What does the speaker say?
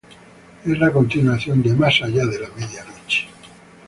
Es la continuación de "Más allá de la medianoche".